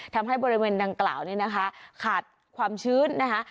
ทำให้บริเวณดังกล่าวนี้นะคะขาดความชื้นนะคะ